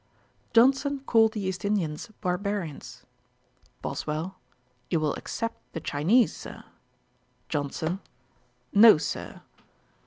Johnson called the East Indians barbarians. BOSWELL. 'You will except the Chinese, Sir?' JOHNSON. 'No, Sir.'